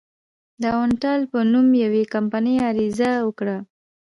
د اوانټل په نوم یوې کمپنۍ عریضه وکړه.